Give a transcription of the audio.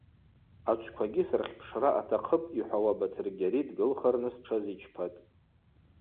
Ачвквагьи сырхьпшра атахъыпӏ,–йхӏвауа Батыргьари дгылхырныс тшазичпатӏ.